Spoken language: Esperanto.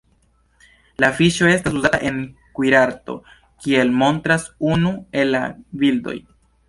La fiŝo estas uzata en kuirarto, kiel montras unu el la bildoj.